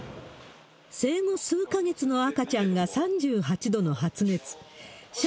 生後数か月の赤ちゃんが３８度の発熱。